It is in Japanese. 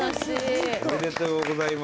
おめでとうございます。